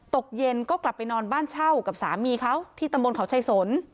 ตกเย็นก็กลับไปนอนบ้านเช่ากับสามีเขาที่ตำบลเขาชายสน